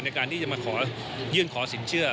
ในการที่จะมาขอยื่นขอสินเชื่อ